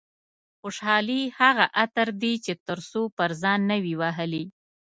خوشحالي هغه عطر دي چې تر څو پر ځان نه وي وهلي.